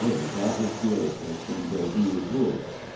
A got his quietus in Delville Wood.